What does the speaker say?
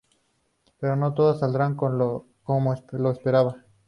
Pero no todo saldrá como lo esperaban.